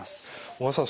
小川さん